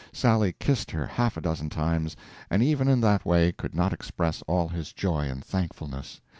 Sally kissed her half a dozen times and even in that way could not express all his joy and thankfulness.